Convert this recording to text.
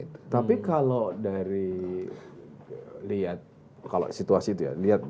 tapi kalau dari lihat kalau situasi itu ya